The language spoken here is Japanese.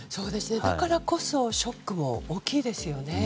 だからこそショックも大きいですよね。